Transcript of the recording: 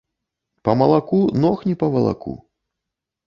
Па малаку ног не павалаку